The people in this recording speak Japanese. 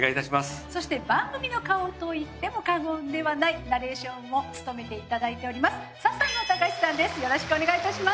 そして番組の顔といっても過言ではないナレーションを務めていただいております笹野高史さんです